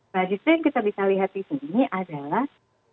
nah justru yang kita bisa lihat di sini adalah